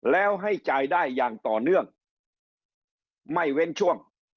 แล้วให้จ่ายได้อย่างต่อเนื่องไม่เว้นช่วง